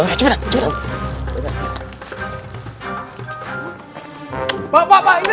pak pak pak ini dia pak pak